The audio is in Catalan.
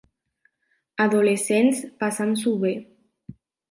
Adolescents passant-s'ho bé.